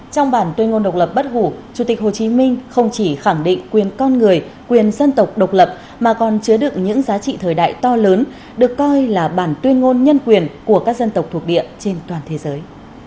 trong bản tuyên ngôn độc lập bất hủ chủ tịch hồ chí minh không chỉ khẳng định quyền con người quyền dân tộc độc lập mà còn chứa đựng những giá trị thời đại to lớn được coi là bản tuyên ngôn nhân quyền của các dân tộc thuộc địa trên toàn thế giới